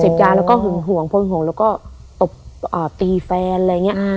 เสพยาแล้วก็ห่วงห่วงห่วงห่วงแล้วก็ตบอ่าตีแฟนอะไรอย่างเงี้ย